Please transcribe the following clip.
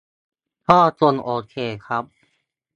ก็คงโอเคครับ